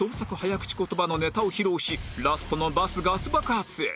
口言葉のネタを披露しラストの「バスガス爆発」へ